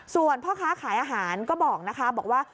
ส่วนพ่อค้าขายอาหารก็บอกนะคะบอกว่า